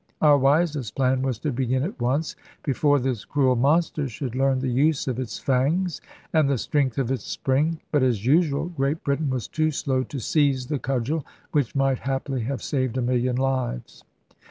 Our wisest plan was to begin at once, before this cruel monster should learn the use of its fangs and the strength of its spring; but, as usual, Great Britain was too slow to seize the cudgel, which might haply have saved a million lives.